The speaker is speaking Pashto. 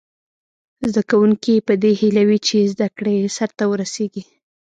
زده کوونکي په دې هیله وي چې زده کړه یې سرته ورسیږي.